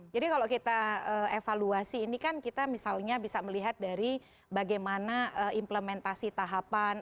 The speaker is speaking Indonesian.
jadi kalau kita evaluasi ini kan kita misalnya bisa melihat dari bagaimana implementasi tahapan